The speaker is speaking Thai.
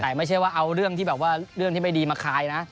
แต่ไม่ใช่ว่าเอาเรื่องที่ไม่ดีมาคายนะ